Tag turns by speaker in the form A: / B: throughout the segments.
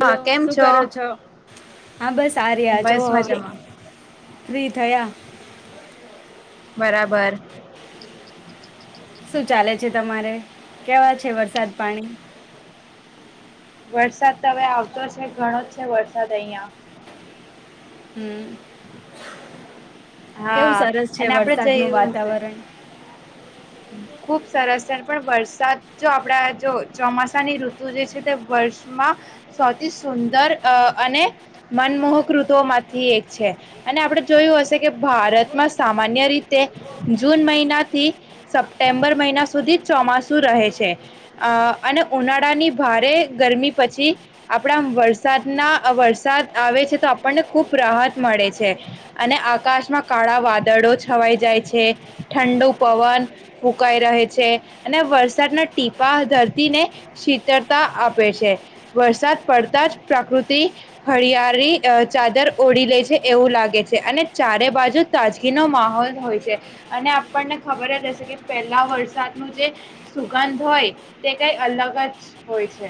A: Hello!
B: હા કેમ
A: શું કરો છો? હા બસ આ રહ્યા છો
B: બસ
A: જો હવે
B: મજામાં
A: રીથયા
B: બરાબર.
A: શું ચાલે છે તમારે? કેવા છે વરસાદ પાણી?
B: વરસાદ તો હવે આવતો છે ઘણો જ છે વરસાદ અહિયાં.
A: હમ કેવું
B: હા
A: સરસ છે
B: અને આપડે
A: વરસાદનું
B: જયું હશે
A: વાતાવરણ?
B: ખૂબ સરસ છે પણ વરસાદ જો આપણા જો ચોમાસાની ઋતુ જે છે, તે વર્ષમાં સૌથી સુંદર અને મનમોહક ઋતુઓમાંથી એક છે. અને આપણે જોયું હશે કે, ભારતમાં સામાન્ય રીતે જૂન મહિનાથી સપ્ટેમ્બર મહિના સુધી ચોમાસું રહે છે. અ અને ઉનાળાની ભારે ગરમી પછી આપણા વરસાદના વરસાદ આવે છે તો આપણને ખૂબ રાહત મળે છે. અને આકાશમાં કાળા વાદળો છવાઈ જાય છે, ઠંડો પવન ફૂંકાઈ રહે છે, અને વરસાદના ટીપા ધરતીને શીતળતા આપે છે. વરસાદ પડતાં જ પ્રકૃતિ હરિયાળી ચાદર ઓઢી લે છે, એવું લાગે છે. અને ચારે બાજુ તાજગીનો માહોલ હોય છે. અને આપણને ખબર જ હશે કે, પેલા વરસાદ ન જે સુગંધ હોય, તે કઈ અલગ જ હોય છે.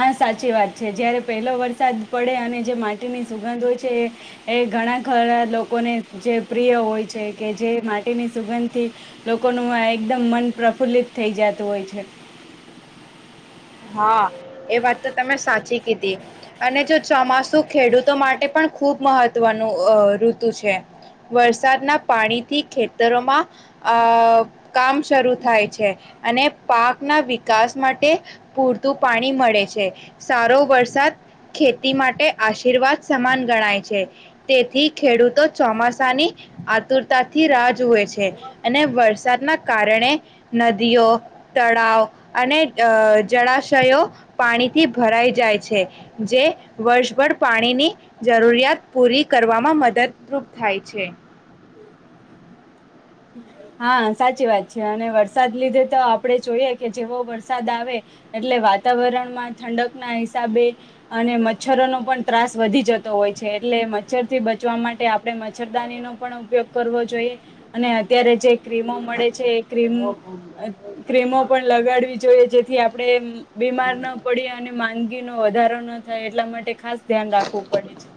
A: હા, સાચી વાત છે. જ્યારે પહેલો વરસાદ પડે અને જે માટીની સુગંધ હોય છે એ એ ઘણા ખરા લોકોને જે પ્રિય હોય છે કે, જે માટીની સુગંધથી લોકોનું એકદમ મન પ્રફુલ્લિત થઈ જતું હોય છે.
B: હા, એ વાત તો તમે સાચી કીધી. અને જો ચોમાસું ખેડૂતો માટે પણ ખૂબ મહત્વનું ઋતુ છે. વરસાદના પાણીથી ખેતરોમાં આ કામ શરૂુ થાય છે. અને પાકના વિકાસ માટે પૂરતું પાણી મળે છે. સારો વરસાદ ખેતી માટે આશીર્વાદ સમાન ગણાય છે. તેથી, ખેડૂતો ચોમાસાની આતુરતાથી રાહ જોએ છે. અને વરસાદના કારણે નદીઓ તળાવ અને જળાશયો પાણીથી ભરાઈ જાય છે. જે વર્ષભર પાણીની જરૂરિયાત પૂરી કરવામાં મદદરૂપ થાય છે.
A: હા! સાચી વાત છે. અને વરસાદ લીધે તો આપણે જોઈએ કે, જેવો વરસાદ આવે એટલે, વાતાવરણમાં ઠંડક ના હિસાબે અને મચ્છરોનો પણ ત્રાસ વધી જતો હોય છે. એટલે મચ્છર થી બચવા માટે આપણે મચ્છરદાની નો પણ ઉપયોગ કરવો જોઈએ. અને અત્યારે જે ક્રીમો મળે છે ક્રીમ. ક્રીમો પણ લગાડવી જોઈએ. જે થી આપડણે બીમાર ના પડી અને નો વધારો ન થાય એટલા માટે ખાસ ધ્યાન રાખવું પડે છે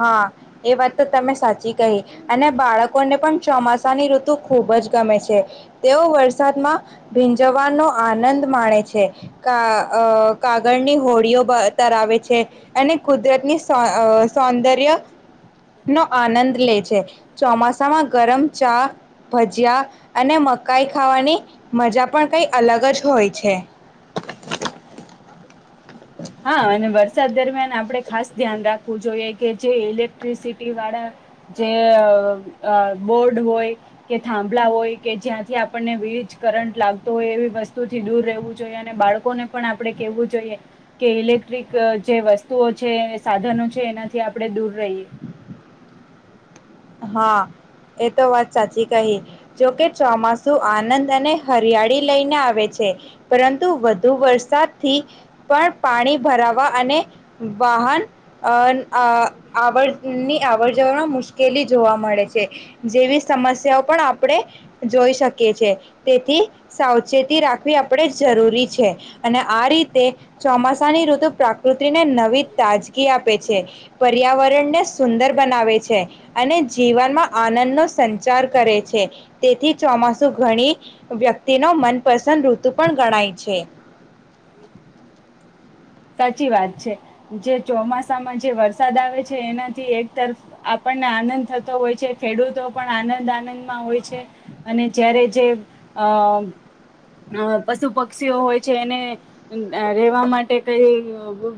B: હા એ વાત તો તમે સાચી કહી અને બાળકોને પણ ચોમાસાની ઋતુ ખુબ જ ગમે છે તેઓ વરસાદમાં ભી જવાનો આનંદ માણે છે કા કાગળની હોડીઓ બાદ આવે છે અને કુદરત ની સો સૌંદર્ય નો આનંદ લે છે ચોમાસામાં ગરમ ચા ભજીયા અને મકાઈ ખાવાની મજા પણ કઈ અલગ જ હોય છે
A: હા અને વરસાદ દરમિયાન આપણે ખાસ ધ્યાન રાખવું જોઈએ કે જે ઇલેક્ટ્રિસિટી વાળા, જે બોર્ડ હોય, કે થાંભલા હોય કે જ્યાંથી આપણને વીજ કરંટ લાગતો હોય એવી વસ્તુથી દૂર રહેવું જોઈએ અને બાળકોને પણ આપણે કેવું જોઈએ. કે ઇલેક્ટ્રિક જે વસ્તુઓ છે સાધનો છે એનાથી આપણે દૂર રહીએ.
B: હા એ તો વાત સાચી કહી, જોકે ચોમાસું આનંદ અને હરિયાળી લઈને આવે છે, પરંતુ વધુ વરસાદ થી પણ પાણી ભરાવા અને, વાહન અ આ આવની આવડ જવ મુશ્કેલી જોવા મળે છે, જેવી સમસ્યાઓ પણ આપણે જોઈ શકીએ છે તેથી સાવચેતી રાખવી આપણે જરૂરી છે, અને આ રીતે ચોમાસાની ઋતુ પ્રાકૃત પત્રીને નવી તાજગી આપે છે. પર્યાવરણ ને સુંદર બનાવે છે અને જીવનમાં આનંદનો સંચાર કરે છે, તેથી ચોમાસુ ઘણી, વ્યક્તિનો મનપસંદ ઋતુ પણ ગણાય છે.
A: સાચી વાત છે, જે ચોમાસામાં જે વરસાદ આવે છે એનાથી એક તરફ આપણને આનંદ થતો હોય છે ખેડૂતો પણ આનંદ આનંદમાં હોય છે, અને જારે જે આ પશુ પક્ષીઓ હોય છે એને, રહેેવા માટે કઈ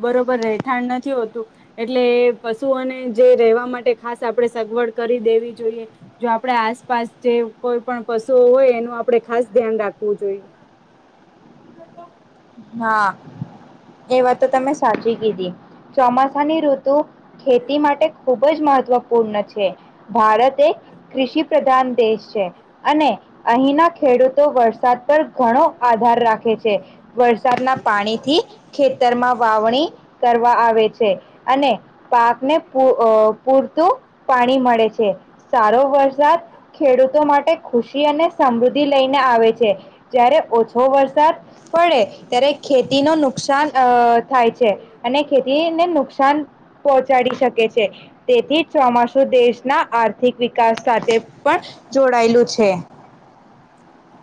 A: બરોબર રહેઠાણ નથી હોતું, એટલે એ પશુઓને જે રહેેવા માટે ખાસ આપણે સગવડ કરી દેવી જોઈએ, જો આપણે આસપાસ જે કોઈ પણ પશુઓ હોય એનું આપણે ખાસ ધ્યાન રાખવું. પૂ જોઈ.
B: હા, એ વા તો તમે સાચી કીધી ચોમાસાની ઋતુ, ખેતી માટે ખૂબ જ મહત્વપૂર્ણ છે, ભારત એ કૃષિ પ્રધાન દેશ છે, અને અહીંના ખેડૂતો વરસાદ ઘણો આધાર રાખે છે. વરસાદના પાણી થી, ખેતરમાં વાવણી કરવા આવે છે, અને પાકને પૂરતું પાણી મળે છે. સારો વરસાદ, ખેડૂતો માટે ખુશી અને સમૃદ્ધિ લઈને આવે છે, જ્યારે ઓછો વરસાદ પડે, ત્યારે ખેતી ન નુકસાન અ થાય છે, અને ખેતીને નુકસાન પહોંચાડી શકે છે, તેથી ચોમાસુ દેશના આર્થિક કાસ સાથે પણ, જોડાયેલું છે. છે.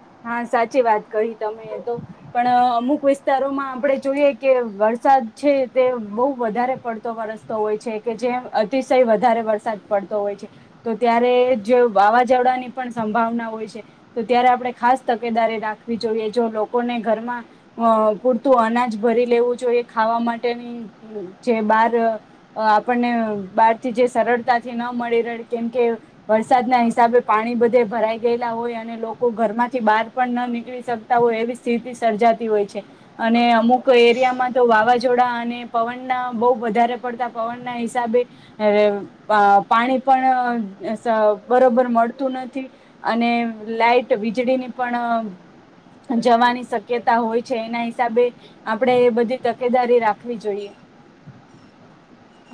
A: સાચી વાત કહી તમે તો, પણ અમુક વિસ્તારોમાં આપણે જોઈએ કે વરસાદ છે તે બહુ વધારે પડતો વરસતો હોય છે કે જેમ અતિશય વધારે વરસાદ પડતો હોય છે, તો ત્યારે જો વાવાઝોડાની પણ સંભાવના હોય છે, તો ત્યારે આપણે ખ તકેદારી રાખવી જોઈએ જો લોકોને ઘરમાં, પૂરતું અનાજ ભરી લેવું જોઈએ ખાવા માટેની, જે બાર આપણને બહારથી જે સરળતાથી ન મળી રહે કેમકે વરસાદના હિસાબે પાણી બધે ભરાઈ ગયેલા હોય અને લોકો ઘરમાં બાર પણ ન નીકળી શકતા હોય એવી સ્થિતિ સર્જાતી હોય છે, અને અમુક એરિયામાં તો વાવાઝોડા અને પવનના બહુ વધારે પડતા પવનના હિસાબે, પાણી પણ બરોબર મળતું નથી, અને લાઈટ વીજળીની પણ, જવાની શક્યતા હોય છે એના હિસાબે, આપણેે બધી તકેદારી રાખવી જોઈએ.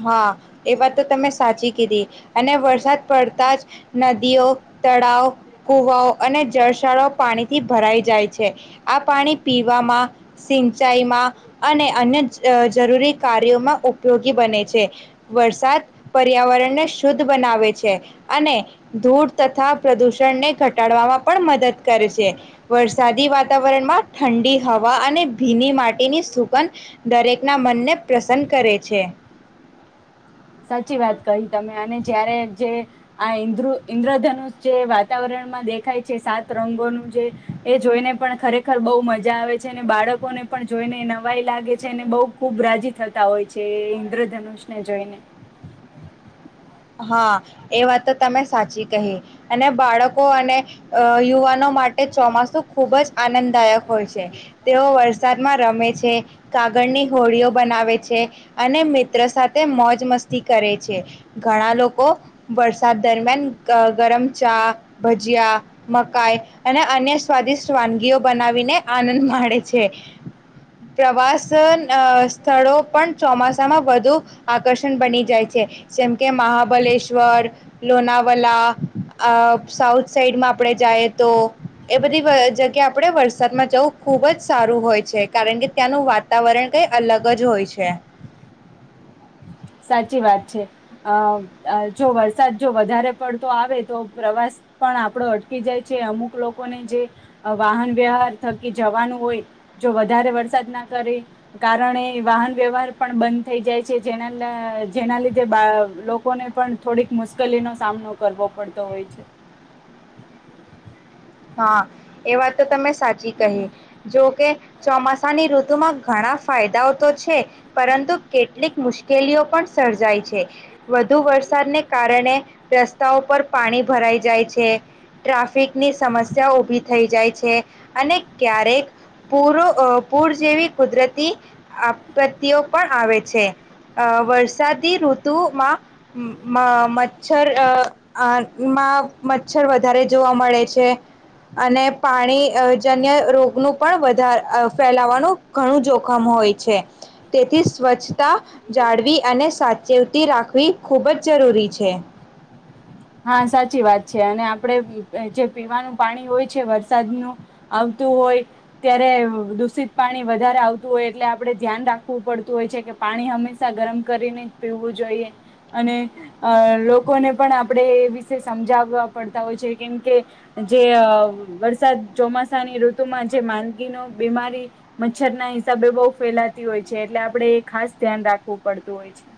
B: હા, એ વાત તો તમે સાચી કીધી. અને વરસાદ પડતા જ, નદીઓ, તળાવ કુવાઓ અને જળશાળઓ પાણીથી ભરાઈ જાય છે, આ પાણી પીવામાં સિંચાઈમાં અને અન્ય જરૂરી કાર્યોમાં ઉપયોગી બને છે. છે, વરસાદ પર્યાવરણને શુદ્ધ બનાવે છે અને ધૂળ તથા પ્રદૂષણને ઘટ ટાડવામાં પણ મદદ કરે છે, વરસાદી વાતાવરણમાં ઠંડી હવા અને ભીની માટીની સુગંધ દરેકના મનને પ્રસન્ન કરે છે.
A: સાચી વાત કહી તમે અને જયારે જે, આ ઈન્દ્રુ ઈન્દ્રધનુષ જે વાતાવરણમાં દેખાય છે સાત રંગોનું જે, એ જોઈને પણ ખરેખર બહુ મજા આવે છે અને બાળકોને પણ જોઈને નવાઈ લાગે છે અનેને બહુ ખૂબ રાજી થતા હોય છે એ ઈન્દ્રધનુષને જોઈને.
B: હા, એ વાત તો તમે સાચી કહી, અને બાળકો અને યુવાનો માટે ચોમાસું ખુબ જ આનંદદાયક હોય છે, તેઓ વરસાદમાં રમે છે. છે. કાગળની હોડીઓ બનાવે છે, અને મિત્ર સાથે મોજ મસ્તી કરે છે. ઘણા લોકો, વરસાદ દરમિયાન ગરમ ચા, ભજીયા, મકાઈ અને અન્ય સ્વાદિષ્ટ વાનગીઓ બનાવીને આનંદ માણેે છે, પ્રવાસ સ્થળો પણ ચોમાસામાં વધુ આકર્ષણ બની જાય છે. જેમ કે મહાબલેશ્વર, લોનાવલા, સાઉથ સાઈડમાં આપણે જઈએ તો એ બધી જગ્યા આપણે વરસાદમાં જવું ખુબ જ સારું હોય છે કારણ કે ત્યાંનું વાતાવરણ કઈ અલગ જ હોય છે.
A: સાચી વાત છે અ જો વરસાદ જો વધારે પડતો આવે તો પ્રવાસ પણ આપણો અટકી જાય છે અમુક લોકોને જે વાહન વ્યવહાર થકી જવાનું હોય જો વધારે વરસાદ ના કરે કારણે વાહન વ્યવહાર પણ બંધ થઈ જાય છે જેના. જેના લીધે બ લોકોને પણ થોડીક મુશ્કેલીનોો સામનો કરવો પડતો હોય છે.
B: હા એ વાત તો તમે. સાચી કહે જો કે ચોમાસાની ઋતુમાં. ઘણા ફાયદાઓ તો છે પરંતુ. કેટલીક મુશ્કેલીઓ પણ. સર્જાય છે વધુ વરસાદને કારણે રસ્તાઓ પર પાણી ભરાઈ જાય છે ટ્રાફિકની. સમસ્યા ઊભી થઈ જાય છે અને ક્યારેક પૂર પૂર જેવી કુદરતી આપત્તિઓ પણ આવે છે અ વરસાદી ઋતુમાં મચ્છરમાં મચ્છર વધારે જોવા મળે છે. અને. પાણીઅ જન્ય રોગનું પણ વધાર અ ફેલાવા. ઘણું જોખમ હોય છે. તેથી સ્વચ્છતા જાળવી અને સાચે. તે રાખવી ખૂબ જ જરૂરી છે.
A: હા સાચી વાત છે અને આપડે જે પીવાનું પાણી હોય છે વરસાદનું આવતું હોય ત્યારે દૂષિત પાણી વધારે આવતું હોય એટલે આપડણે ધ્યાન રાખવું પડતું હોય છે કે પાણી હંમેશા ગરમ કરીને જ પીવું જોઈએ અને અ લોકોને પણ. આપણે એ વિષ સમજાવવા પડતા હોય છે કેમ કે જે વરસાદ ચોમાસાની ઋતુમાં જે માંદગીનો બીમારી મચ્છર ના હિસાબે બહુ ફેલાતી હોય છે એટલે આપડણે એ ખાસ ધ્યાન રાખવું પડતું હોય છે.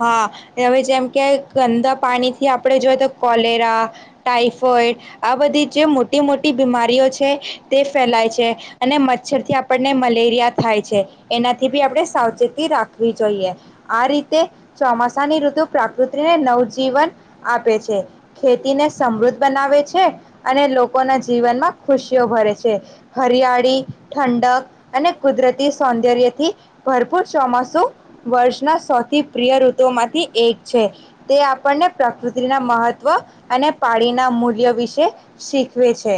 B: હા હવે જેમ કે ગંદા પાણીથી આપણે જોઈ તો કોલેરા ટાઈફોઈડ આ બધી જે મોટી મોટી બીમારીઓ છે તે ફેલાય છે અને મચ્છરથી આપણને મલેરિયા થાય છે એનાથી બી આપણે સાવચેતી રાખવી જોઈએ આ રીતે. ચોમાસાની ઋતુ પ્રાકૃતિને નવજીવન આપે છે. ખેતી ને સમૃદ્ધ બનાવે છે. અને લોકોના જીવનમાં ખુશીઓ ભરે છે હરિયાળી ઠંડક અને કુદરતી સૌંદર્યથી ભરપૂર ચોમાસું વર્ષના સ. પ્રિય ઋતુ માંથી એક છે. તે આપણને પ્રકૃતિના મહત્વ અને પાળીના મૂલ્ય વિશે શીખવે છે.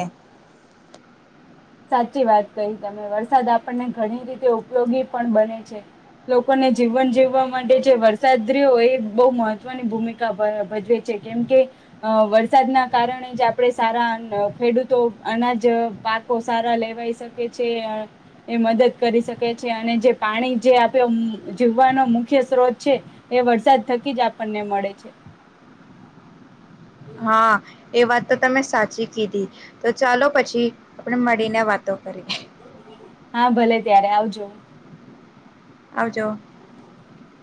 A: સાચી વાત કહી તમે વરસાદ આપણને ઘણી રીતે ઉપયોગી પણ બને છે લોકોને જીવન જીવવા માટે જે વરસાદ રહ્યો એ બહુ મહત્વની ભ ભૂમિકા ભજવે છે કેમકે વરસાદના કારણે જ આપણે સારા અન અ ખેડૂતો અનાજ પાક. ખુબ સારા લેવાઈ શકે છે એ મદદ કરી શકે છે અને જે પાણી જે આપે જીવવાનો મુખ્ય સ્ત્રોત છે એ વરસાદ થકી જ આપણને મળે છે.
B: હા એ વાત તો તમે સાચી કીધી તો ચાલો પછી આપણે મળીને વાતો કરીએ.
A: હા ભલે ત્યારે આવજો.
B: આવજો.
A: [inaudible]